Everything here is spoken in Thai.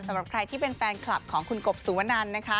สำหรับใครที่เป็นแฟนคลับของคุณกบสุวนันนะคะ